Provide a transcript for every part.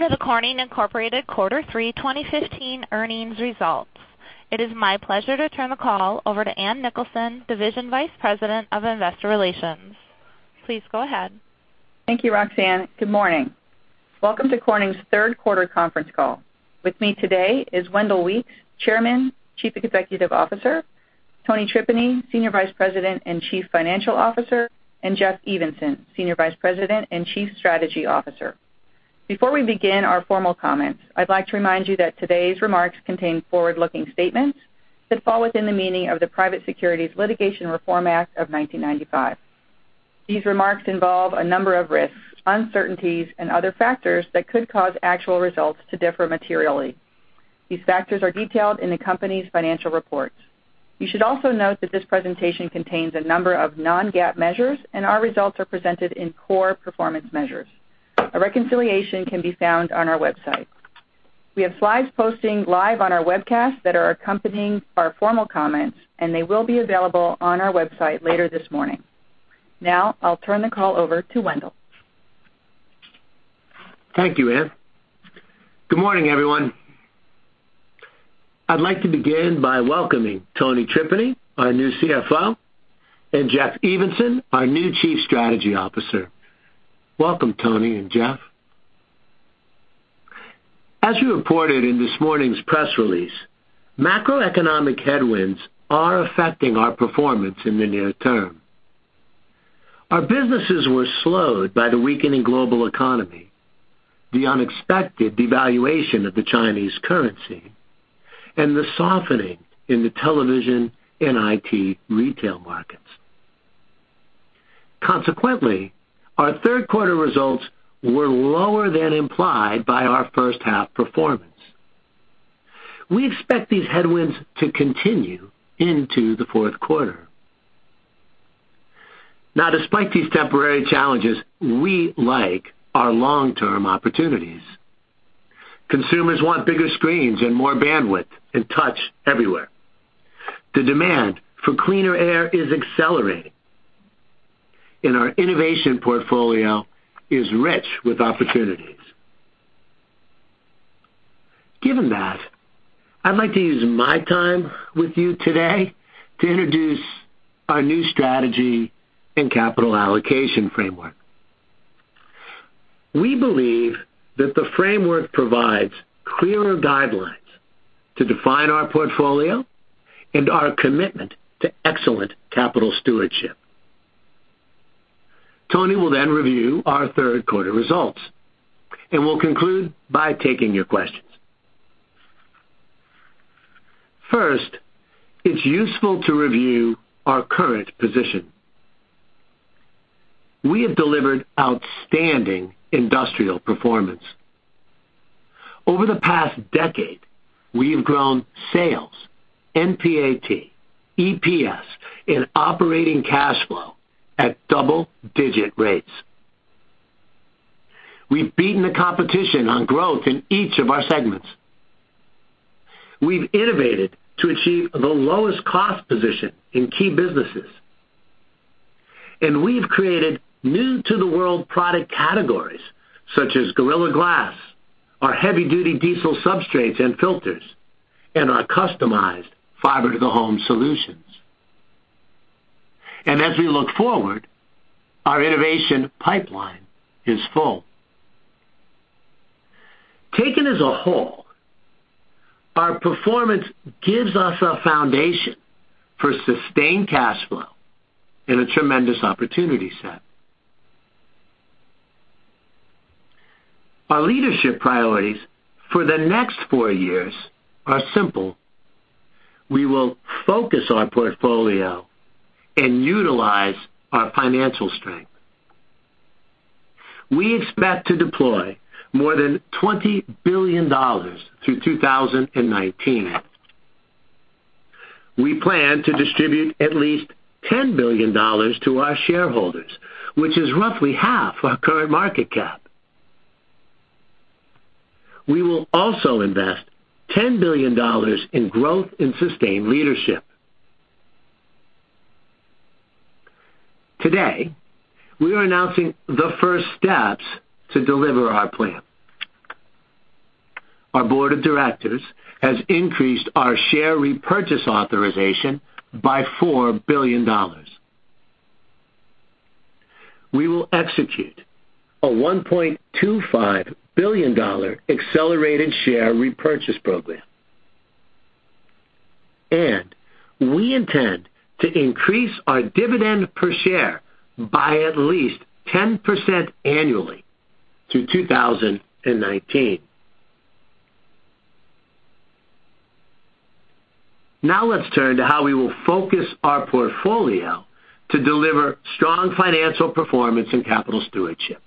Welcome to the Corning Incorporated Quarter 3 2015 earnings results. It is my pleasure to turn the call over to Ann Nicholson, Division Vice President of Investor Relations. Please go ahead. Thank you, Roxanne. Good morning. Welcome to Corning's third quarter conference call. With me today is Wendell Weeks, Chairman, Chief Executive Officer, Tony Tripeny, Senior Vice President and Chief Financial Officer, and Jeff Evenson, Senior Vice President and Chief Strategy Officer. Before we begin our formal comments, I'd like to remind you that today's remarks contain forward-looking statements that fall within the meaning of the Private Securities Litigation Reform Act of 1995. These remarks involve a number of risks, uncertainties and other factors that could cause actual results to differ materially. These factors are detailed in the company's financial reports. You should also note that this presentation contains a number of non-GAAP measures, and our results are presented in core performance measures. A reconciliation can be found on our website. We have slides posting live on our webcast that are accompanying our formal comments, and they will be available on our website later this morning. I'll turn the call over to Wendell. Thank you, Ann. Good morning, everyone. I'd like to begin by welcoming Tony Tripeny, our new CFO, and Jeff Evenson, our new Chief Strategy Officer. Welcome, Tony and Jeff. As we reported in this morning's press release, macroeconomic headwinds are affecting our performance in the near term. Our businesses were slowed by the weakening global economy, the unexpected devaluation of the Chinese currency, and the softening in the television and IT retail markets. Consequently, our third quarter results were lower than implied by our first half performance. We expect these headwinds to continue into the fourth quarter. Despite these temporary challenges, we like our long-term opportunities. Consumers want bigger screens and more bandwidth, and touch everywhere. The demand for cleaner air is accelerating, and our innovation portfolio is rich with opportunities. Given that, I'd like to use my time with you today to introduce our new strategy and capital allocation framework. We believe that the framework provides clearer guidelines to define our portfolio and our commitment to excellent capital stewardship. Tony will then review our third quarter results, and we'll conclude by taking your questions. First, it's useful to review our current position. We have delivered outstanding industrial performance. Over the past decade, we have grown sales, NPAT, EPS, and operating cash flow at double-digit rates. We've beaten the competition on growth in each of our segments. We've innovated to achieve the lowest cost position in key businesses, and we've created new to the world product categories such as Gorilla Glass, our heavy-duty diesel substrates and filters, and our customized fiber to the home solutions. As we look forward, our innovation pipeline is full. Taken as a whole, our performance gives us a foundation for sustained cash flow and a tremendous opportunity set. Our leadership priorities for the next four years are simple. We will focus on portfolio and utilize our financial strength. We expect to deploy more than $20 billion through 2019. We plan to distribute at least $10 billion to our shareholders, which is roughly half our current market cap. We will also invest $10 billion in growth and sustained leadership. Today, we are announcing the first steps to deliver our plan. Our board of directors has increased our share repurchase authorization by $4 billion. We will execute a $1.25 billion accelerated share repurchase program, and we intend to increase our dividend per share by at least 10% annually through 2019. Let's turn to how we will focus our portfolio to deliver strong financial performance and capital stewardship.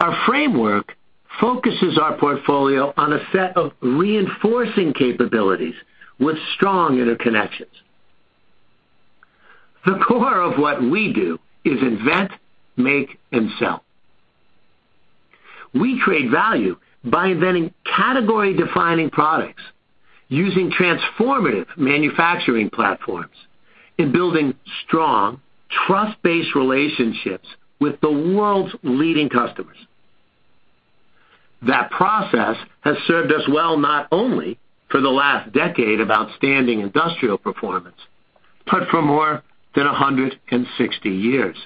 Our framework focuses our portfolio on a set of reinforcing capabilities with strong interconnections. The core of what we do is invent, make, and sell. We create value by inventing category-defining products, using transformative manufacturing platforms, and building strong, trust-based relationships with the world's leading customers. That process has served us well not only for the last decade of outstanding industrial performance, but for more than 160 years.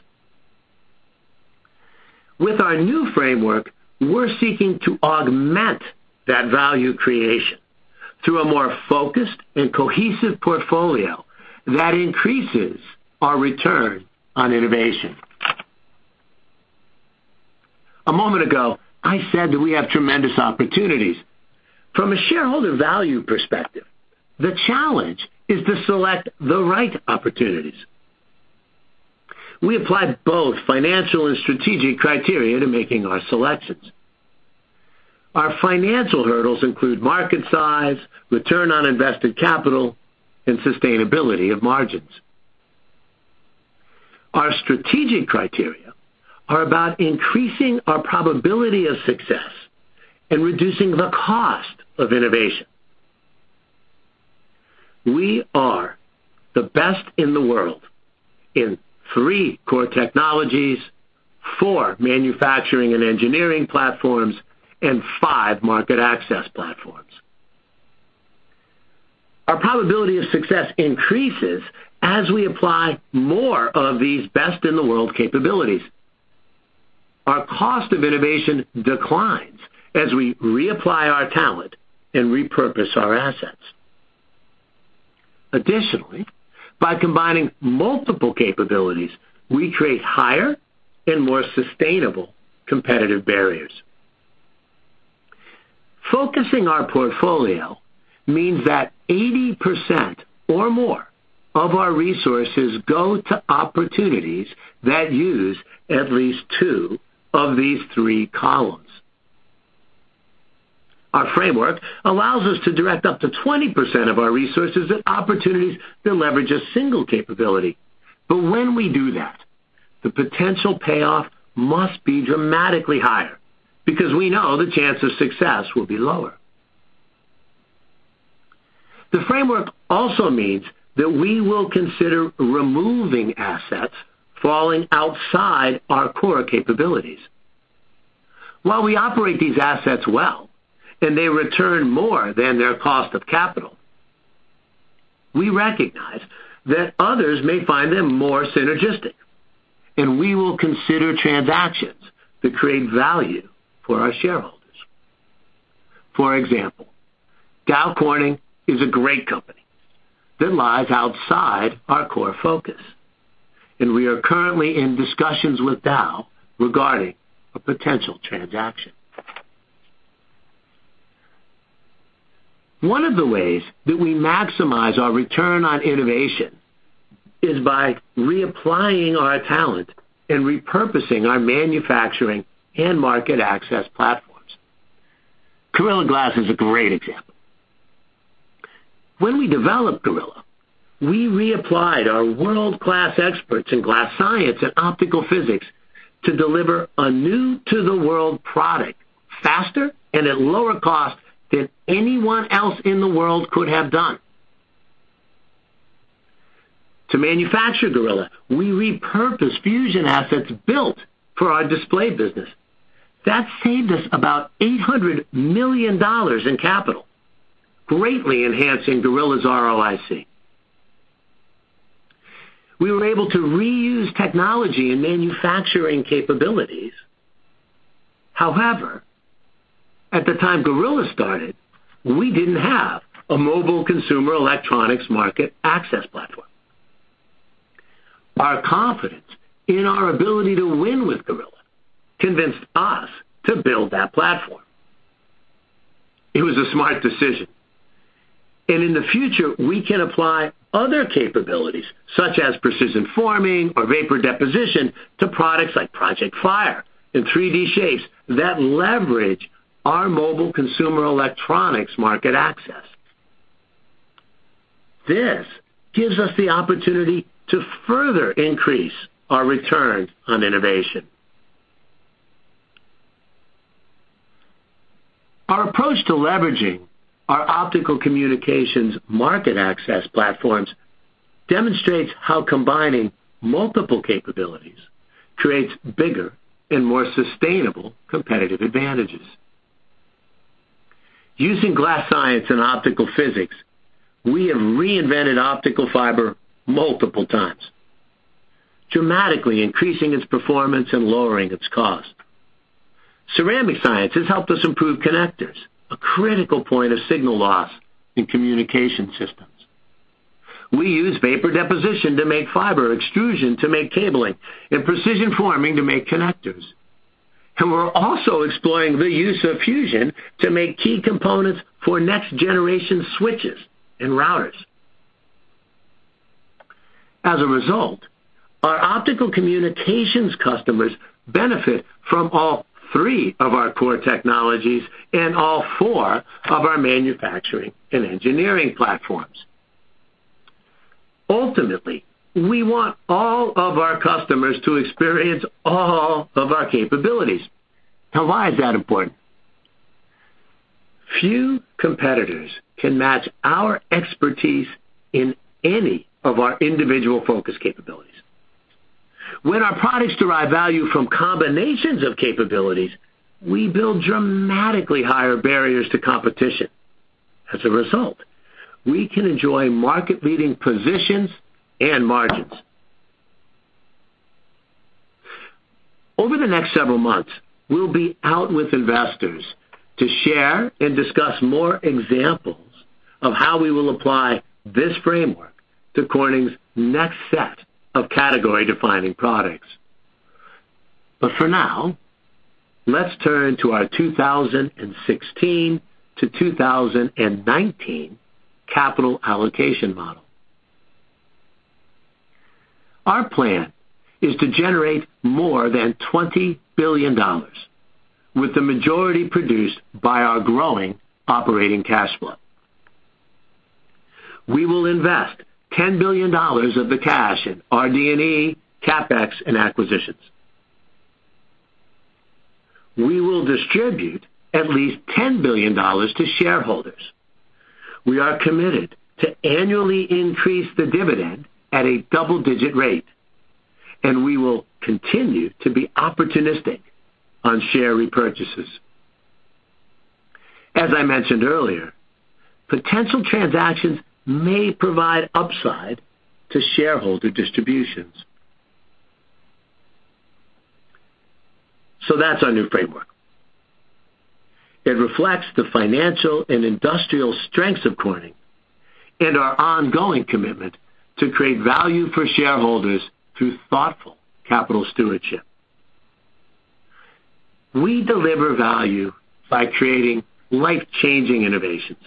With our new framework, we're seeking to augment that value creation through a more focused and cohesive portfolio that increases our return on innovation. A moment ago, I said that we have tremendous opportunities. From a shareholder value perspective, the challenge is to select the right opportunities. We apply both financial and strategic criteria to making our selections. Our financial hurdles include market size, return on invested capital, and sustainability of margins. Our strategic criteria are about increasing our probability of success and reducing the cost of innovation. We are the best in the world in three core technologies, four manufacturing and engineering platforms, and five market access platforms. Our probability of success increases as we apply more of these best-in-the-world capabilities. Our cost of innovation declines as we reapply our talent and repurpose our assets. Additionally, by combining multiple capabilities, we create higher and more sustainable competitive barriers. Focusing our portfolio means that 80% or more of our resources go to opportunities that use at least two of these three columns. Our framework allows us to direct up to 20% of our resources at opportunities to leverage a single capability. When we do that, the potential payoff must be dramatically higher because we know the chance of success will be lower. The framework also means that we will consider removing assets falling outside our core capabilities. While we operate these assets well and they return more than their cost of capital, we recognize that others may find them more synergistic, and we will consider transactions that create value for our shareholders. For example, Dow Corning is a great company that lies outside our core focus, and we are currently in discussions with Dow regarding a potential transaction. One of the ways that we maximize our return on innovation is by reapplying our talent and repurposing our manufacturing and market access platforms. Gorilla Glass is a great example. When we developed Gorilla, we reapplied our world-class experts in glass science and optical physics to deliver a new-to-the-world product faster and at lower cost than anyone else in the world could have done. To manufacture Gorilla, we repurposed fusion assets built for our display business. That saved us about $800 million in capital, greatly enhancing Gorilla's ROIC. We were able to reuse technology and manufacturing capabilities. However, at the time Gorilla started, we didn't have a Mobile Consumer Electronics market access platform. Our confidence in our ability to win with Gorilla convinced us to build that platform. It was a smart decision, in the future, we can apply other capabilities such as precision forming or vapor deposition to products like Project Phire and 3D shapes that leverage our Mobile Consumer Electronics market access. This gives us the opportunity to further increase our return on innovation. Our approach to leveraging our Optical Communications market access platforms demonstrates how combining multiple capabilities creates bigger and more sustainable competitive advantages. Using glass science and optical physics, we have reinvented optical fiber multiple times, dramatically increasing its performance and lowering its cost. Ceramic science has helped us improve connectors, a critical point of signal loss in communication systems. We use vapor deposition to make fiber, extrusion to make cabling, and precision forming to make connectors, and we're also exploring the use of fusion to make key components for next-generation switches and routers. As a result, our Optical Communications customers benefit from all three of our core technologies and all four of our manufacturing and engineering platforms. Ultimately, we want all of our customers to experience all of our capabilities. Why is that important? Few competitors can match our expertise in any of our individual focus capabilities. When our products derive value from combinations of capabilities, we build dramatically higher barriers to competition. As a result, we can enjoy market-leading positions and margins. Over the next several months, we'll be out with investors to share and discuss more examples of how we will apply this framework to Corning's next set of category-defining products. For now, let's turn to our 2016 to 2019 capital allocation model. Our plan is to generate more than $20 billion, with the majority produced by our growing operating cash flow. We will invest $10 billion of the cash in RD&E, CapEx, and acquisitions. We will distribute at least $10 billion to shareholders. We are committed to annually increase the dividend at a double-digit rate, and we will continue to be opportunistic on share repurchases. As I mentioned earlier, potential transactions may provide upside to shareholder distributions. That's our new framework. It reflects the financial and industrial strengths of Corning and our ongoing commitment to create value for shareholders through thoughtful capital stewardship. We deliver value by creating life-changing innovations.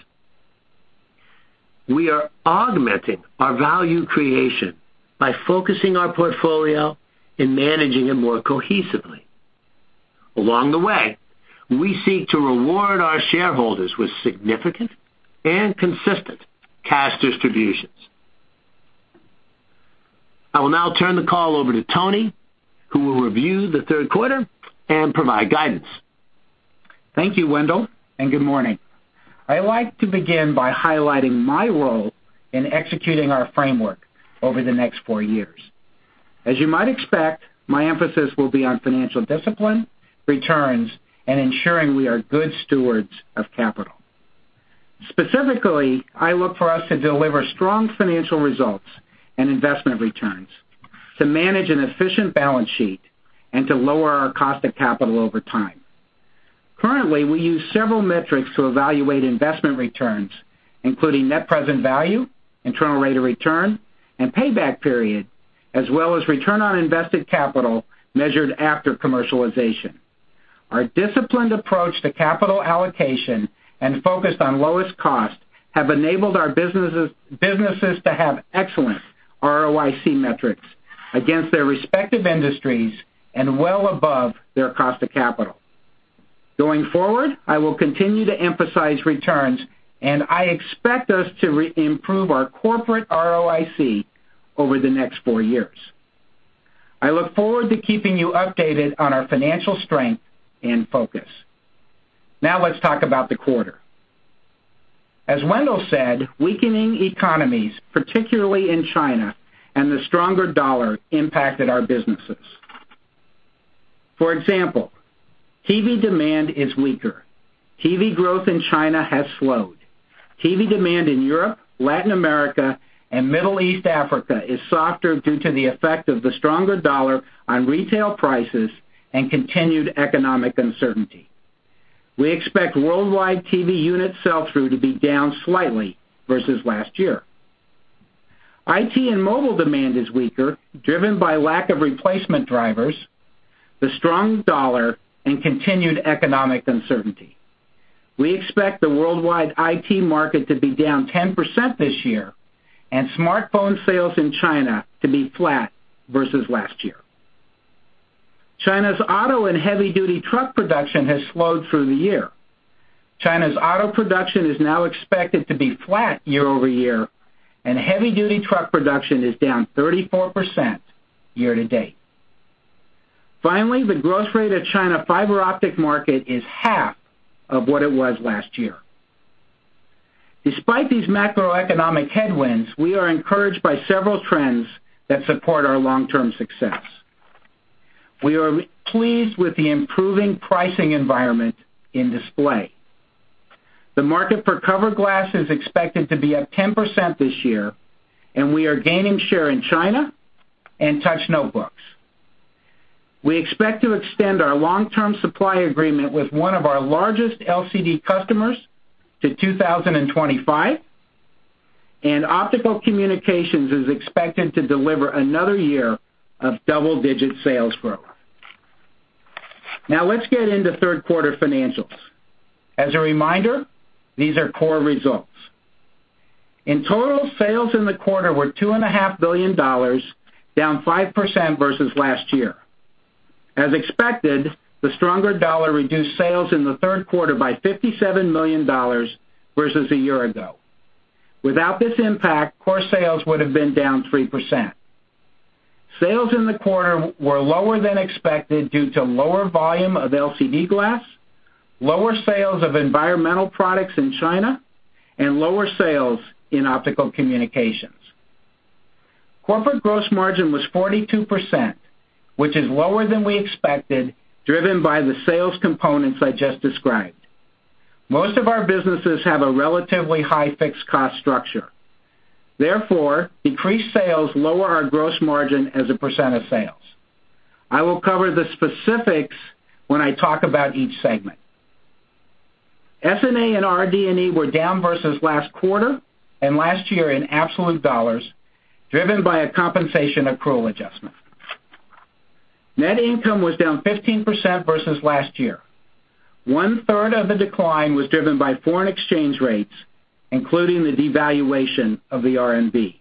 We are augmenting our value creation by focusing our portfolio and managing it more cohesively. Along the way, we seek to reward our shareholders with significant and consistent cash distributions. I will now turn the call over to Tony, who will review the third quarter and provide guidance. Thank you, Wendell, and good morning. I'd like to begin by highlighting my role in executing our framework over the next four years. As you might expect, my emphasis will be on financial discipline, returns, and ensuring we are good stewards of capital. Specifically, I look for us to deliver strong financial results and investment returns, to manage an efficient balance sheet, and to lower our cost of capital over time. Currently, we use several metrics to evaluate investment returns, including net present value, internal rate of return, and payback period, as well as return on invested capital measured after commercialization. Our disciplined approach to capital allocation and focused on lowest cost, have enabled our businesses to have excellent ROIC metrics against their respective industries and well above their cost of capital. Going forward, I will continue to emphasize returns, and I expect us to improve our corporate ROIC over the next four years. I look forward to keeping you updated on our financial strength and focus. Now let's talk about the quarter. As Wendell said, weakening economies, particularly in China, and the stronger dollar impacted our businesses. For example, TV demand is weaker. TV growth in China has slowed. TV demand in Europe, Latin America, and Middle East Africa is softer due to the effect of the stronger dollar on retail prices and continued economic uncertainty. We expect worldwide TV unit sell-through to be down slightly versus last year. IT and mobile demand is weaker, driven by lack of replacement drivers, the strong dollar, and continued economic uncertainty. We expect the worldwide IT market to be down 10% this year and smartphone sales in China to be flat versus last year. China's auto and heavy-duty truck production has slowed through the year. China's auto production is now expected to be flat year over year, and heavy-duty truck production is down 34% year to date. Finally, the growth rate of China fiber optic market is half of what it was last year. Despite these macroeconomic headwinds, we are encouraged by several trends that support our long-term success. We are pleased with the improving pricing environment in display. The market for covered glass is expected to be up 10% this year, and we are gaining share in China and touch notebooks. We expect to extend our long-term supply agreement with one of our largest LCD customers to 2025, and Optical Communications is expected to deliver another year of double-digit sales growth. Now let's get into third-quarter financials. As a reminder, these are core results. In total, sales in the quarter were $2.5 billion, down 5% versus last year. As expected, the stronger dollar reduced sales in the third quarter by $57 million versus a year ago. Without this impact, core sales would have been down 3%. Sales in the quarter were lower than expected due to lower volume of LCD glass, lower sales of environmental products in China, and lower sales in Optical Communications. Corporate gross margin was 42%, which is lower than we expected, driven by the sales components I just described. Most of our businesses have a relatively high fixed cost structure. Therefore, decreased sales lower our gross margin as a % of sales. I will cover the specifics when I talk about each segment. S&A and RD&E were down versus last quarter and last year in absolute dollars, driven by a compensation accrual adjustment. Net income was down 15% versus last year. One third of the decline was driven by foreign exchange rates, including the devaluation of the RMB.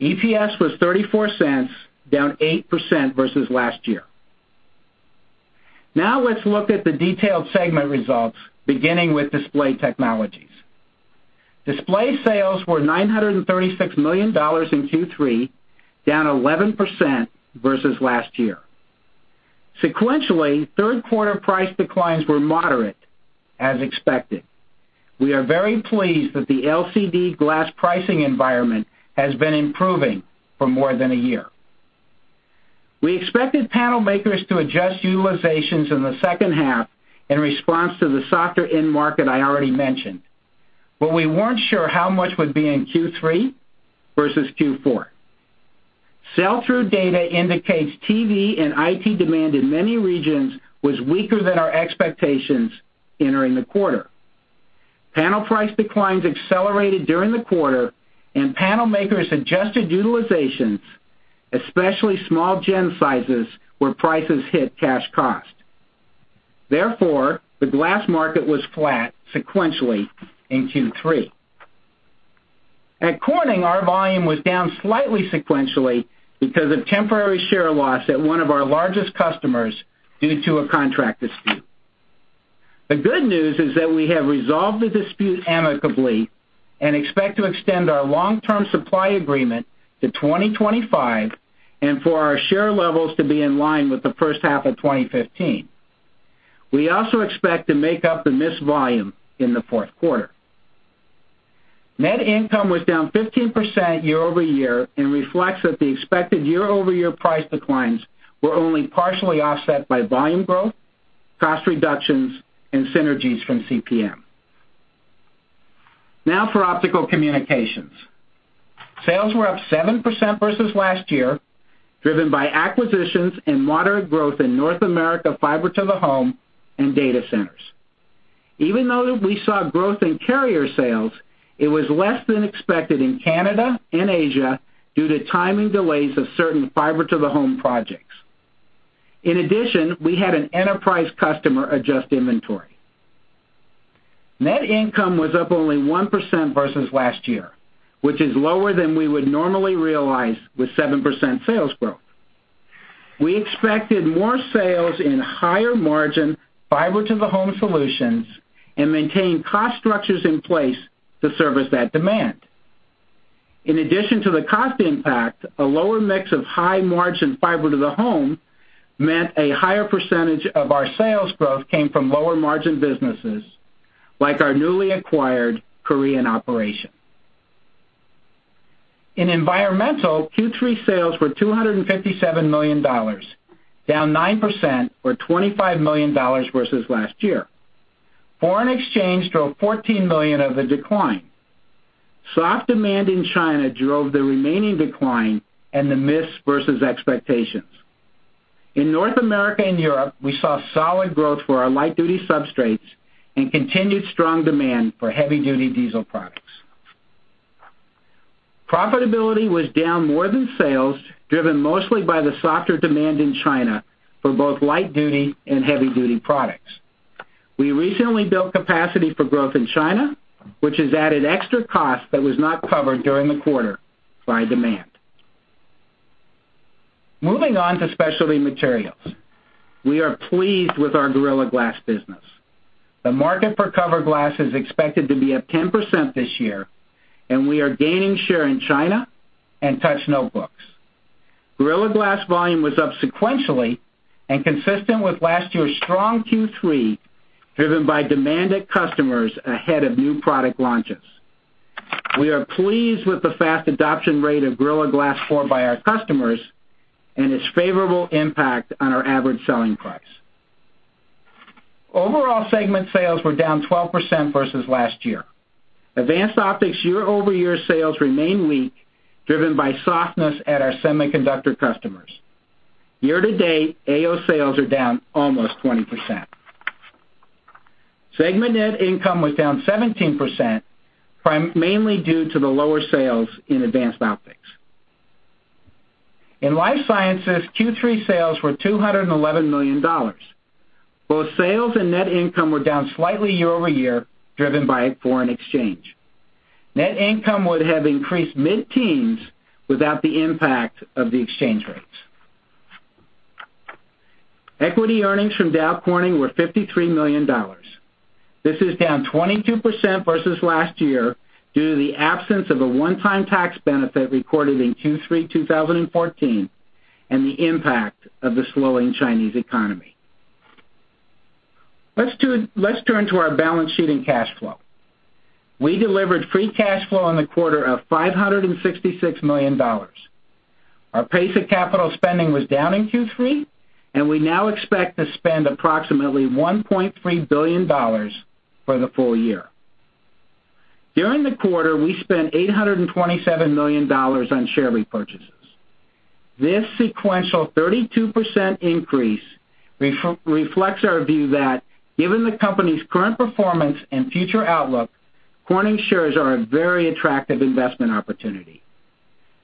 EPS was $0.34, down 8% versus last year. Now let's look at the detailed segment results, beginning with Display Technologies. Display sales were $936 million in Q3, down 11% versus last year. Sequentially, third quarter price declines were moderate, as expected. We are very pleased that the LCD glass pricing environment has been improving for more than a year. We expected panel makers to adjust utilizations in the second half in response to the softer end market I already mentioned, but we weren't sure how much would be in Q3 versus Q4. Sell-through data indicates TV and IT demand in many regions was weaker than our expectations entering the quarter. Panel price declines accelerated during the quarter, panel makers adjusted utilizations, especially small gen sizes, where prices hit cash cost. Therefore, the glass market was flat sequentially in Q3. At Corning, our volume was down slightly sequentially because of temporary share loss at one of our largest customers due to a contract dispute. The good news is that we have resolved the dispute amicably and expect to extend our long-term supply agreement to 2025 and for our share levels to be in line with the first half of 2015. We also expect to make up the missed volume in the fourth quarter. Net income was down 15% year-over-year and reflects that the expected year-over-year price declines were only partially offset by volume growth, cost reductions, and synergies from CPM. Now for Optical Communications. Sales were up 7% versus last year, driven by acquisitions and moderate growth in North America fiber to the home and data centers. Even though we saw growth in carrier sales, it was less than expected in Canada and Asia due to timing delays of certain fiber-to-the-home projects. In addition, we had an enterprise customer adjust inventory. Net income was up only 1% versus last year, which is lower than we would normally realize with 7% sales growth. We expected more sales in higher margin fiber-to-the-home solutions and maintained cost structures in place to service that demand. In addition to the cost impact, a lower mix of high-margin fiber-to-the-home meant a higher % of our sales growth came from lower margin businesses, like our newly acquired Korean operation. In Environmental, Q3 sales were $257 million, down 9% or $25 million versus last year. Foreign exchange drove $14 million of the decline. Soft demand in China drove the remaining decline and the miss versus expectations. In North America and Europe, we saw solid growth for our light-duty substrates and continued strong demand for heavy-duty diesel products. Profitability was down more than sales, driven mostly by the softer demand in China for both light-duty and heavy-duty products. We recently built capacity for growth in China, which has added extra cost that was not covered during the quarter by demand. Moving on to Specialty Materials. We are pleased with our Gorilla Glass business. The market for cover glass is expected to be up 10% this year, and we are gaining share in China and touch notebooks. Gorilla Glass volume was up sequentially and consistent with last year's strong Q3, driven by demand at customers ahead of new product launches. We are pleased with the fast adoption rate of Gorilla Glass 4 by our customers and its favorable impact on our average selling price. Overall segment sales were down 12% versus last year. Advanced Optics year-over-year sales remain weak, driven by softness at our semiconductor customers. Year to date, AO sales are down almost 20%. Segment net income was down 17%, mainly due to the lower sales in Advanced Optics. In Life Sciences, Q3 sales were $211 million. Both sales and net income were down slightly year-over-year, driven by foreign exchange. Net income would have increased mid-teens without the impact of the exchange rates. Equity earnings from Dow Corning were $53 million. This is down 22% versus last year due to the absence of a one-time tax benefit recorded in Q3 2014 and the impact of the slowing Chinese economy. Let's turn to our balance sheet and cash flow. We delivered free cash flow in the quarter of $566 million. Our pace of capital spending was down in Q3, and we now expect to spend approximately $1.3 billion for the full year. During the quarter, we spent $827 million on share repurchases. This sequential 32% increase reflects our view that given the company's current performance and future outlook, Corning shares are a very attractive investment opportunity.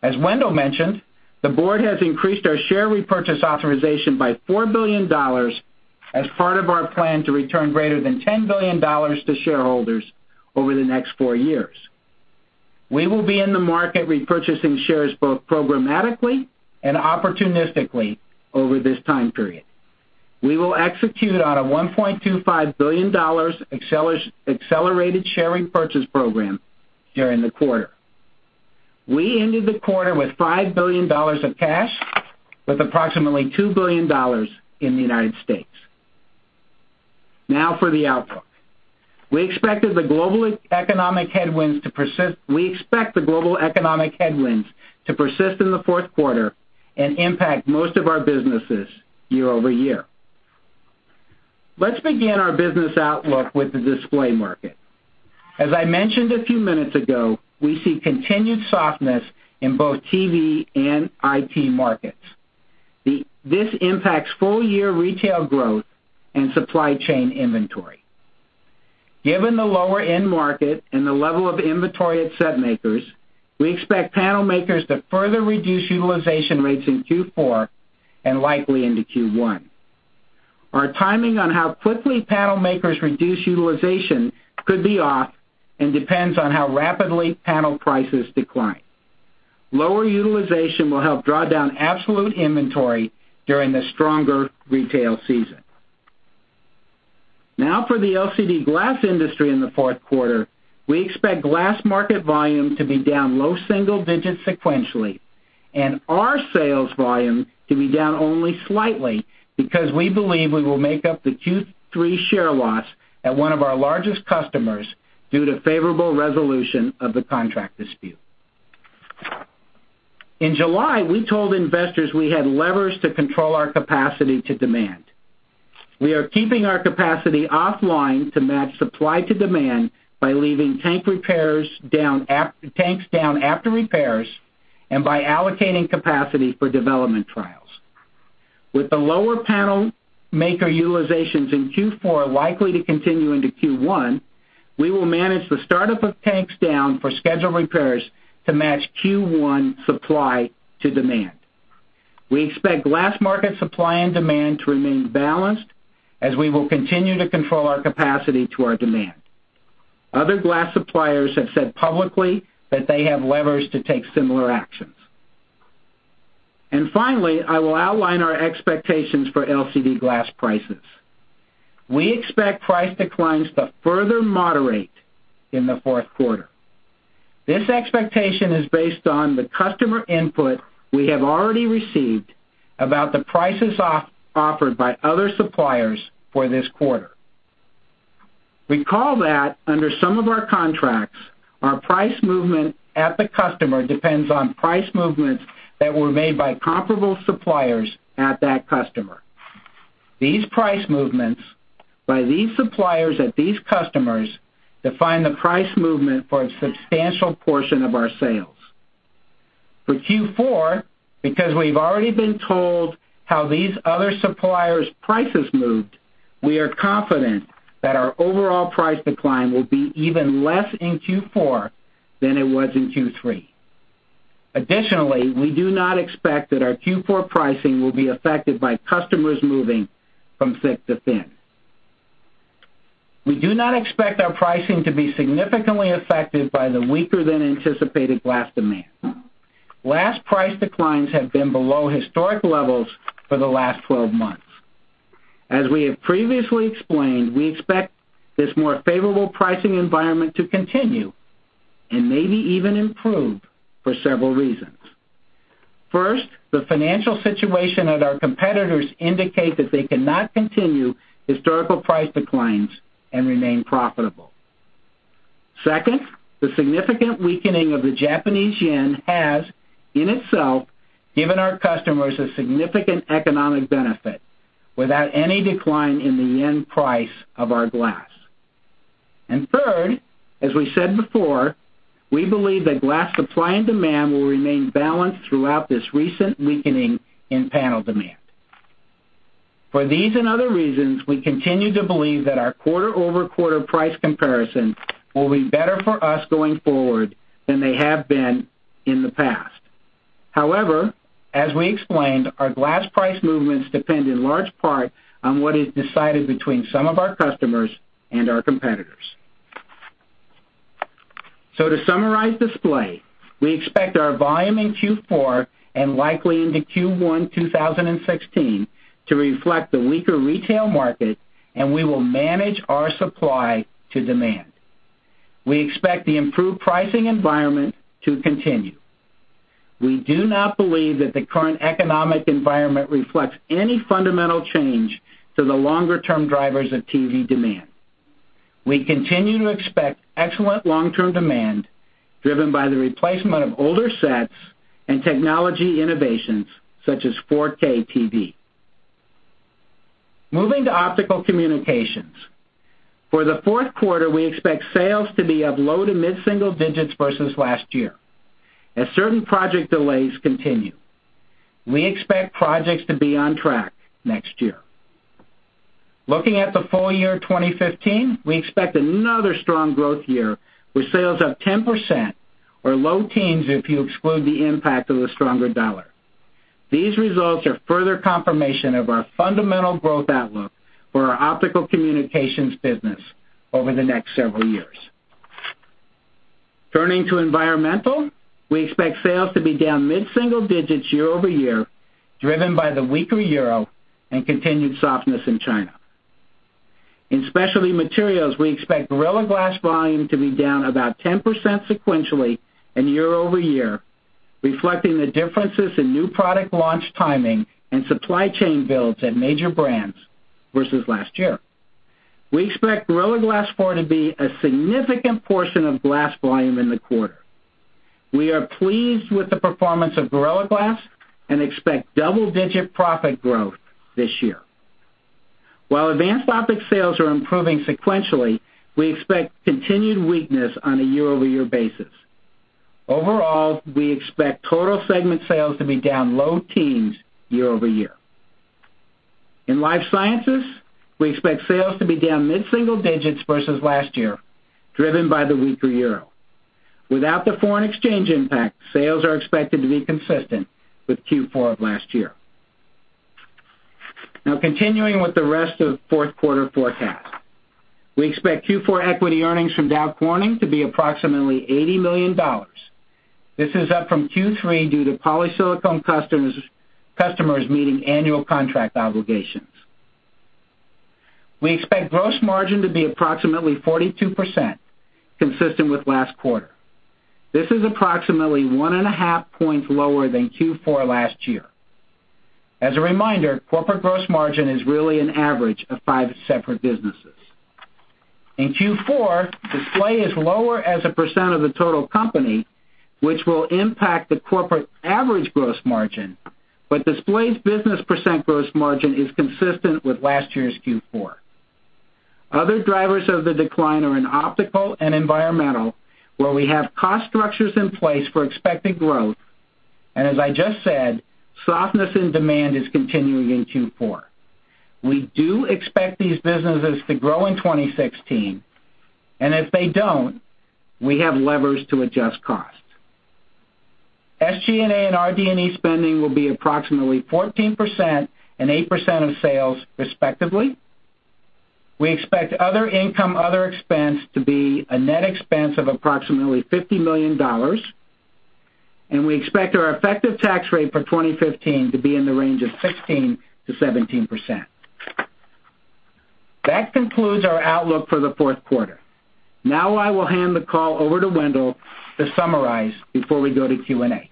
As Wendell mentioned, the board has increased our share repurchase authorization by $4 billion as part of our plan to return greater than $10 billion to shareholders over the next four years. We will be in the market repurchasing shares both programmatically and opportunistically over this time period. We will execute on a $1.25 billion accelerated share repurchase program during the quarter. We ended the quarter with $5 billion of cash, with approximately $2 billion in the United States. For the outlook. We expect the global economic headwinds to persist in the fourth quarter and impact most of our businesses year-over-year. Let's begin our business outlook with the display market. As I mentioned a few minutes ago, we see continued softness in both TV and IT markets. This impacts full-year retail growth and supply chain inventory. Given the lower end market and the level of inventory at set makers, we expect panel makers to further reduce utilization rates in Q4 and likely into Q1. Our timing on how quickly panel makers reduce utilization could be off and depends on how rapidly panel prices decline. Lower utilization will help draw down absolute inventory during the stronger retail season. For the LCD glass industry in the fourth quarter, we expect glass market volume to be down low single digits sequentially, and our sales volume to be down only slightly because we believe we will make up the Q3 share loss at one of our largest customers due to favorable resolution of the contract dispute. In July, we told investors we had levers to control our capacity to demand. We are keeping our capacity offline to match supply to demand by leaving tanks down after repairs and by allocating capacity for development trials. With the lower panel maker utilizations in Q4 likely to continue into Q1, we will manage the startup of tanks down for scheduled repairs to match Q1 supply to demand. We expect glass market supply and demand to remain balanced as we will continue to control our capacity to our demand. Other glass suppliers have said publicly that they have levers to take similar actions. Finally, I will outline our expectations for LCD glass prices. We expect price declines to further moderate in the fourth quarter. This expectation is based on the customer input we have already received about the prices offered by other suppliers for this quarter. Recall that under some of our contracts, our price movement at the customer depends on price movements that were made by comparable suppliers at that customer. These price movements by these suppliers at these customers define the price movement for a substantial portion of our sales. For Q4, because we've already been told how these other suppliers' prices moved, we are confident that our overall price decline will be even less in Q4 than it was in Q3. Additionally, we do not expect that our Q4 pricing will be affected by customers moving from thick to thin. We do not expect our pricing to be significantly affected by the weaker-than-anticipated glass demand. Glass price declines have been below historic levels for the last 12 months. As we have previously explained, we expect this more favorable pricing environment to continue and maybe even improve for several reasons. First, the financial situation at our competitors indicate that they cannot continue historical price declines and remain profitable. Second, the significant weakening of the Japanese yen has, in itself, given our customers a significant economic benefit without any decline in the JPY price of our glass. Third, as we said before, we believe that glass supply and demand will remain balanced throughout this recent weakening in panel demand. For these and other reasons, we continue to believe that our quarter-over-quarter price comparison will be better for us going forward than they have been in the past. However, as we explained, our glass price movements depend in large part on what is decided between some of our customers and our competitors. To summarize display, we expect our volume in Q4 and likely into Q1 2016 to reflect the weaker retail market, and we will manage our supply to demand. We expect the improved pricing environment to continue. We do not believe that the current economic environment reflects any fundamental change to the longer-term drivers of TV demand. We continue to expect excellent long-term demand driven by the replacement of older sets and technology innovations such as 4K TV. Moving to Optical Communications. For the fourth quarter, we expect sales to be up low to mid-single digits versus last year, as certain project delays continue. We expect projects to be on track next year. Looking at the full year 2015, we expect another strong growth year with sales up 10% or low teens if you exclude the impact of the stronger dollar. These results are further confirmation of our fundamental growth outlook for our Optical Communications business over the next several years. Turning to Environmental, we expect sales to be down mid-single digits year-over-year, driven by the weaker EUR and continued softness in China. In Specialty Materials, we expect Gorilla Glass volume to be down about 10% sequentially and year-over-year, reflecting the differences in new product launch timing and supply chain builds at major brands versus last year. We expect Gorilla Glass 4 to be a significant portion of glass volume in the quarter. We are pleased with the performance of Gorilla Glass and expect double-digit profit growth this year. While Advanced Optics sales are improving sequentially, we expect continued weakness on a year-over-year basis. Overall, we expect total segment sales to be down low teens year-over-year. In Life Sciences, we expect sales to be down mid-single digits versus last year, driven by the weaker EUR. Without the foreign exchange impact, sales are expected to be consistent with Q4 of last year. Now continuing with the rest of fourth quarter forecast. We expect Q4 equity earnings from Dow Corning to be approximately $80 million. This is up from Q3 due to polysilicon customers meeting annual contract obligations. We expect gross margin to be approximately 42%, consistent with last quarter. This is approximately one and a half points lower than Q4 last year. As a reminder, corporate gross margin is really an average of five separate businesses. In Q4, Display is lower as a percent of the total company, which will impact the corporate average gross margin. Display's business percent gross margin is consistent with last year's Q4. Other drivers of the decline are in Optical and Environmental, where we have cost structures in place for expected growth, and as I just said, softness in demand is continuing in Q4. We do expect these businesses to grow in 2016, and if they don't, we have levers to adjust costs. SG&A and RD&E spending will be approximately 14% and 8% of sales respectively. We expect other income, other expense to be a net expense of approximately $50 million, and we expect our effective tax rate for 2015 to be in the range of 16%-17%. That concludes our outlook for the fourth quarter. Now I will hand the call over to Wendell to summarize before we go to Q&A.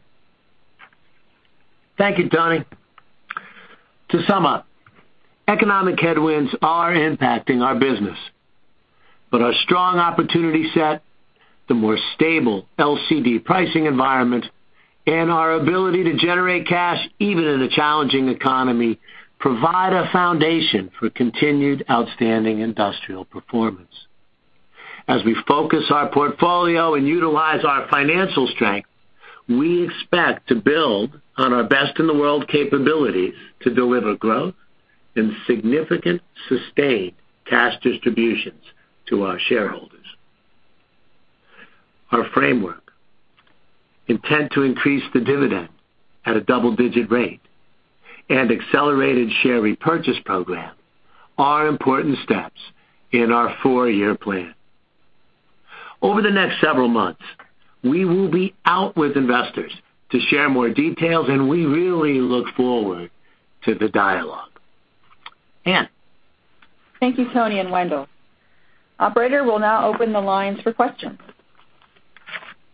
Thank you, Tony. To sum up, economic headwinds are impacting our business, our strong opportunity set, the more stable LCD pricing environment, and our ability to generate cash even in a challenging economy, provide a foundation for continued outstanding industrial performance. As we focus our portfolio and utilize our financial strength, we expect to build on our best-in-the-world capabilities to deliver growth and significant sustained cash distributions to our shareholders. Our framework, intent to increase the dividend at a double-digit rate, and accelerated share repurchase program are important steps in our four-year plan. Over the next several months, we will be out with investors to share more details, we really look forward to the dialogue. Ann. Thank you, Tony and Wendell. Operator will now open the lines for questions.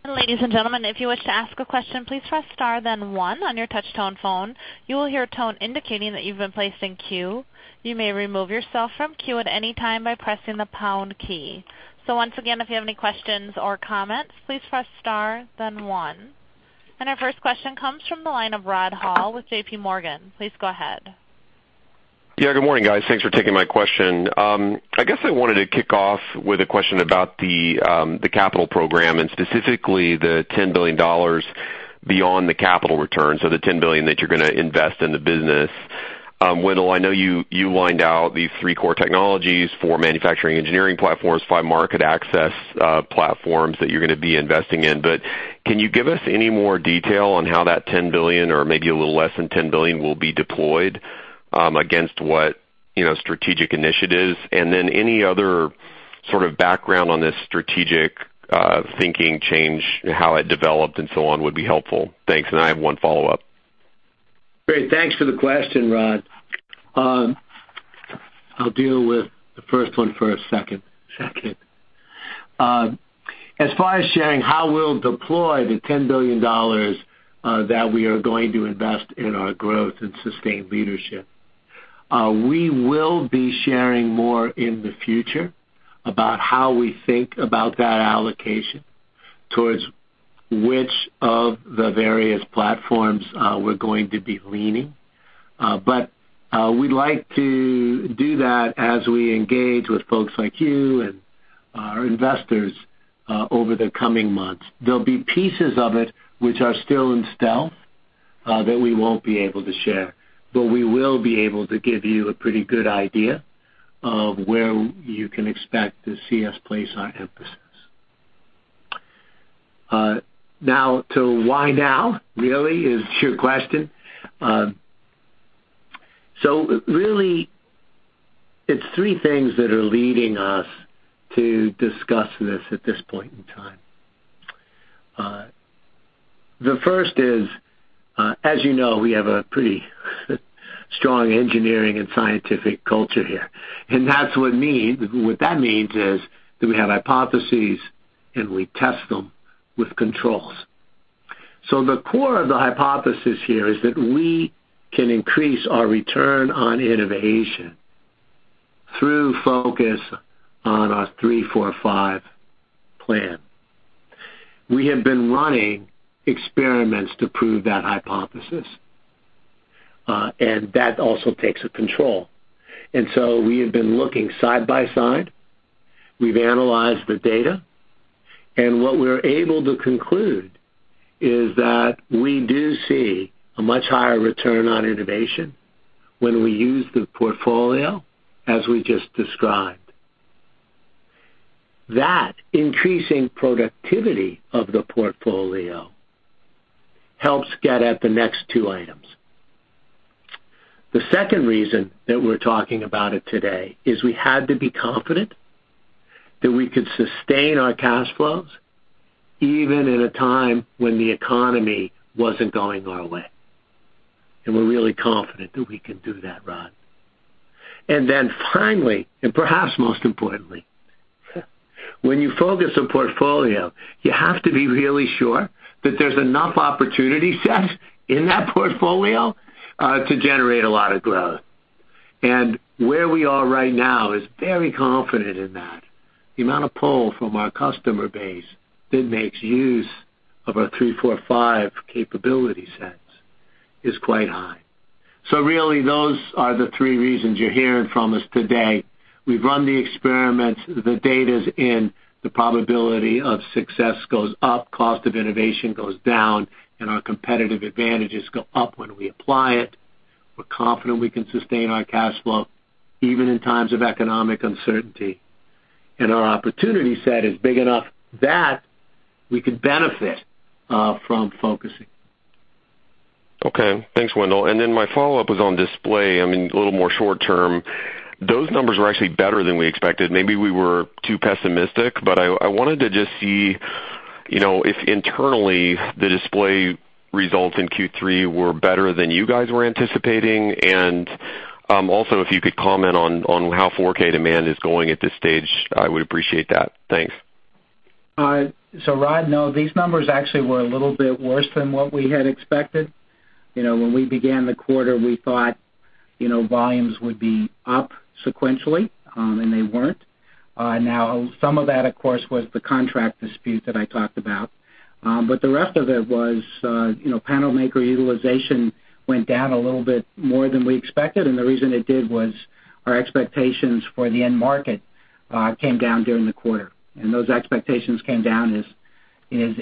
Ladies and gentlemen, if you wish to ask a question, please press star then one on your touch-tone phone. You will hear a tone indicating that you've been placed in queue. You may remove yourself from queue at any time by pressing the pound key. Once again, if you have any questions or comments, please press star then one. Our first question comes from the line of Rod Hall with JPMorgan. Please go ahead. Yeah, good morning, guys. Thanks for taking my question. I guess I wanted to kick off with a question about the capital program and specifically the $10 billion beyond the capital return, so the $10 billion that you're going to invest in the business. Wendell, I know you lined out these 3 core technologies, 4 manufacturing engineering platforms, 5 market access platforms that you're going to be investing in. Can you give us any more detail on how that $10 billion or maybe a little less than $10 billion will be deployed against what strategic initiatives, any other sort of background on this strategic thinking change, how it developed and so on would be helpful. Thanks, I have one follow-up. Great. Thanks for the question, Rod. I'll deal with the first one first, second. As far as sharing how we'll deploy the $10 billion that we are going to invest in our growth and sustained leadership, we will be sharing more in the future about how we think about that allocation towards which of the various platforms we're going to be leaning. We'd like to do that as we engage with folks like you and our investors over the coming months. There'll be pieces of it which are still in stealth that we won't be able to share. We will be able to give you a pretty good idea of where you can expect to see us place our emphasis. Now to why now, really is your question. Really, it's three things that are leading us to discuss this at this point in time. The first is, as you know, we have a pretty strong engineering and scientific culture here, and what that means is that we have hypotheses, and we test them with controls. The core of the hypothesis here is that we can increase our return on innovation through focus on our 345 plan. We have been running experiments to prove that hypothesis, and that also takes a control. We have been looking side by side. We've analyzed the data, and what we're able to conclude is that we do see a much higher return on innovation when we use the portfolio as we just described. That increasing productivity of the portfolio helps get at the next two items. The second reason that we're talking about it today is we had to be confident that we could sustain our cash flows even in a time when the economy wasn't going our way, and we're really confident that we can do that, Rod. Finally, and perhaps most importantly, when you focus on portfolio, you have to be really sure that there's enough opportunity set in that portfolio to generate a lot of growth. Where we are right now is very confident in that. The amount of pull from our customer base that makes use of our 345 capability sets is quite high. Really, those are the three reasons you're hearing from us today. We've run the experiments. The data's in. The probability of success goes up, cost of innovation goes down, and our competitive advantages go up when we apply it. We're confident we can sustain our cash flow even in times of economic uncertainty, and our opportunity set is big enough that we could benefit from focusing. Okay. Thanks, Wendell. My follow-up was on Display Technologies, a little more short-term. Those numbers were actually better than we expected. Maybe we were too pessimistic, but I wanted to just see if internally the Display Technologies results in Q3 were better than you guys were anticipating, and also if you could comment on how 4K demand is going at this stage, I would appreciate that. Thanks. Rod, no, these numbers actually were a little bit worse than what we had expected. When we began the quarter, we thought volumes would be up sequentially, and they weren't. Now, some of that, of course, was the contract dispute that I talked about. The rest of it was panel maker utilization went down a little bit more than we expected, and the reason it did was our expectations for the end market came down during the quarter. Those expectations came down as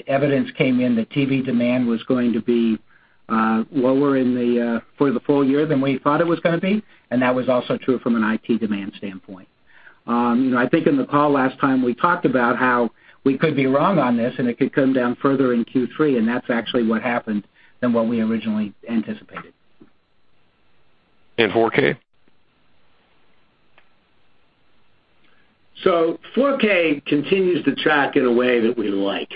evidence came in that TV demand was going to be lower for the full year than we thought it was going to be, and that was also true from an IT demand standpoint. I think in the call last time, we talked about how we could be wrong on this and it could come down further in Q3, and that's actually what happened than what we originally anticipated. 4K? 4K continues to track in a way that we like.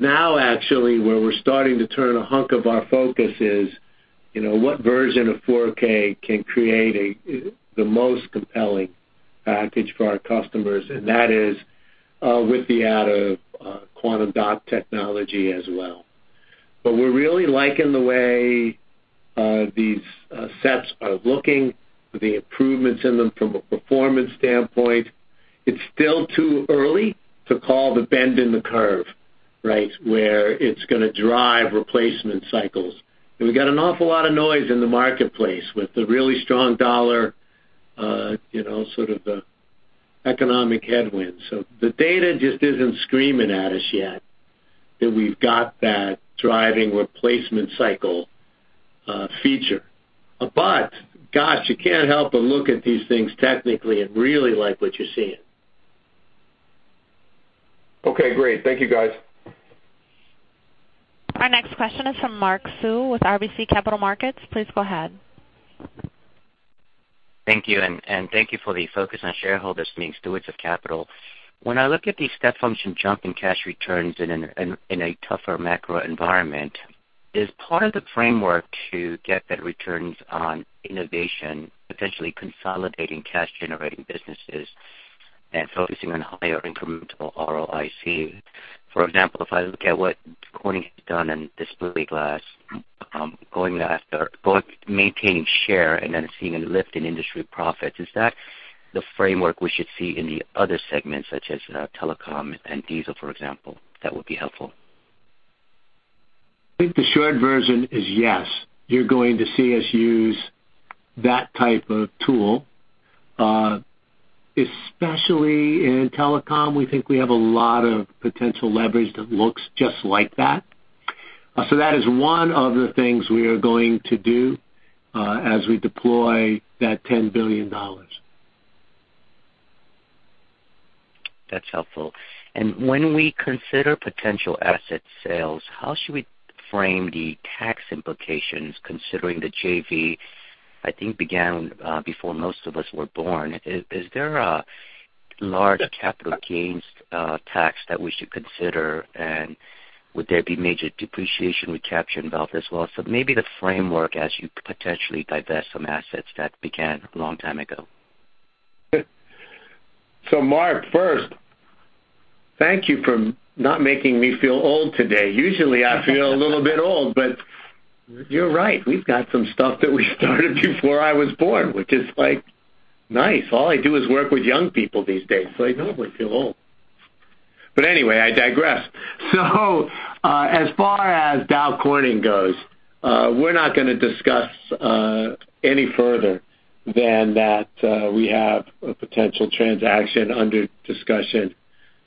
Now actually, where we're starting to turn a hunk of our focus is what version of 4K can create the most compelling package for our customers, and that is with the add of quantum dot technology as well. We're really liking the way these sets are looking, the improvements in them from a performance standpoint. It's still too early to call the bend in the curve where it's going to drive replacement cycles. We've got an awful lot of noise in the marketplace with the really strong dollar sort of the economic headwinds. The data just isn't screaming at us yet that we've got that driving replacement cycle feature. Gosh, you can't help but look at these things technically and really like what you're seeing. Okay, great. Thank you, guys. Our next question is from Mark Sue with RBC Capital Markets. Please go ahead. Thank you, and thank you for the focus on shareholders being stewards of capital. When I look at the step function jump in cash returns in a tougher macro environment, is part of the framework to get that returns on innovation, essentially consolidating cash-generating businesses and focusing on higher incremental ROIC? For example, if I look at what Corning has done in display glass, maintaining share and then seeing a lift in industry profits, is that the framework we should see in the other segments such as telecom and diesel, for example? That would be helpful. I think the short version is yes, you're going to see us use that type of tool, especially in telecom. We think we have a lot of potential leverage that looks just like that. That is one of the things we are going to do, as we deploy that $10 billion. That's helpful. When we consider potential asset sales, how should we frame the tax implications considering the JV, I think, began before most of us were born. Is there a large capital gains tax that we should consider, and would there be major depreciation recapture involved as well? Maybe the framework as you potentially divest some assets that began a long time ago. Mark, first, thank you for not making me feel old today. Usually, I feel a little bit old, but you're right. We've got some stuff that we started before I was born, which is nice. All I do is work with young people these days, so I normally feel old. Anyway, I digress. As far as Dow Corning goes, we're not going to discuss any further than that we have a potential transaction under discussion